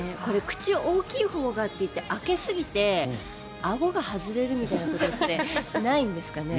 口が大きいほうがといって開けすぎてあごが外れるみたいなことってないんですかね？